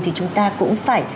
thì chúng ta cũng phải